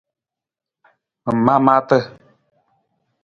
Ma maa maata.